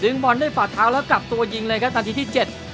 บอลด้วยฝาเท้าแล้วกลับตัวยิงเลยครับนาทีที่เจ็ด